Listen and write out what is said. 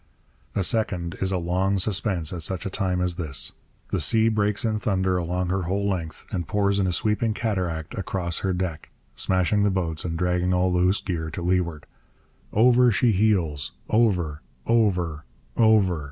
A second is a long suspense at such a time as this. The sea breaks in thunder along her whole length, and pours in a sweeping cataract across her deck, smashing the boats and dragging all loose gear to leeward. Over she heels over, over, over!